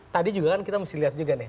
tadi juga kan kita mesti lihat juga nih